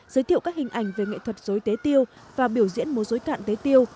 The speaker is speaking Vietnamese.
giới thiệu các hình ảnh về nghệ thuật dối tế tiêu và biểu diễn múa dối cạn tế tiêu